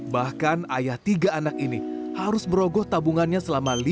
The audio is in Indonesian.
bahkan ayah tiga anak ini harus merogoh tabungannya selama lima tahun